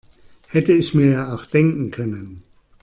Hätte ich mir ja auch denken können.